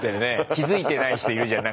気付いてない人いるじゃん。